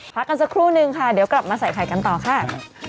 พักกันสักครู่นึงค่ะเดี๋ยวกลับมาใส่ไข่กันต่อค่ะ